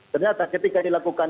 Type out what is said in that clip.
ternyata ketika dilakukan